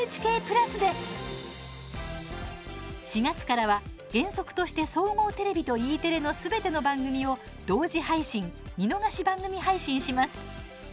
４月からは、原則として総合テレビとＥテレのすべての番組を同時配信、見逃し番組配信します。